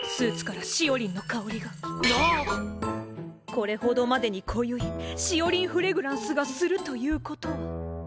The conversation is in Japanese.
これほどまでに濃ゆいしおりんフレグランスがするという事は。